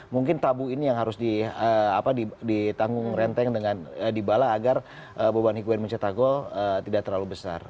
mungkin tabu ini yang harus ditanggung renteng dengan dybala agar beban hikwan mencetak gol tidak terlalu besar